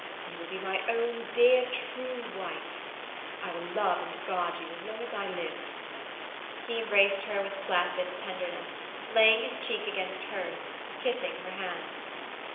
You will be my own dear true wife. I will love and guard you as long as I live." He embraced her with placid tenderness, laying his cheek against hers, kissing her hands.